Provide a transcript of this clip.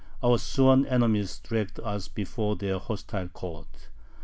Our sworn enemies dragged us before their hostile court.